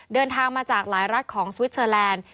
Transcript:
เดินทางมาจากหลายรัฐของสวิสเตอร์แลนด์